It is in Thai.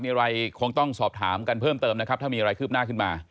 มีอะไรคงต้องสอบถามกันเพิ่มเติมนะครับถ้ามีอะไรคืบหน้าขึ้นมา